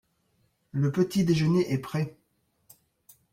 Le petit-déjeuner est prêt.